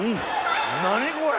何これ！